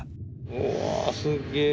うわすげえ。